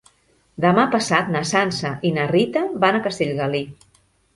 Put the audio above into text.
Demà passat na Sança i na Rita van a Castellgalí.